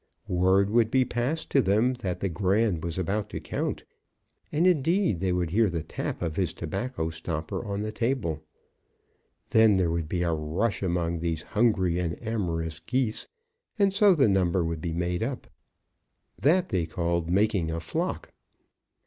Word would be passed to them that the Grand was about to count, and indeed they would hear the tap of his tobacco stopper on the table. Then there would be a rush among these hungry and amorous Geese, and so the number would be made up. That they called making a flock.